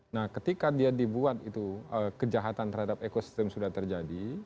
nah ketika dia dibuat itu kejahatan terhadap ekosistem sudah terjadi